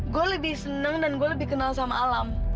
gue lebih senang dan gue lebih kenal sama alam